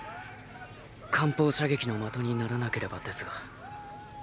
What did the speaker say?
艦砲射撃の的にならなければですが。